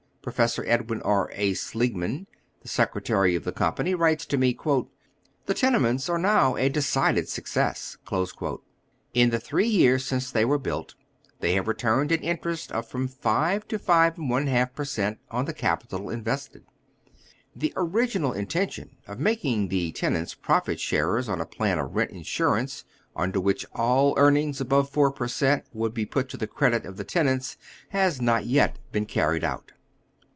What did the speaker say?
Professor Edwin V,.. A. Seligman, the secretary of the company, writes to me : "The tenements ai e now a decided success." In the three years since they were built, they have returned an interest of from five to five and a half per cent, on the capital invested. The original intention of making the tenants profit sharers on a plan of rent insurance, under which all earnings above four per cent, would be put to the credit of the tenants, has not j'et been carried out.